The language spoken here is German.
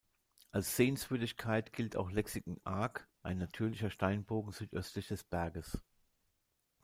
Als Sehenswürdigkeit gilt auch "Lexington Arch", ein natürlicher Steinbogen südöstlich des Berges.